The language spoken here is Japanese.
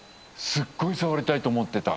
すっごい触りたいと思ってた。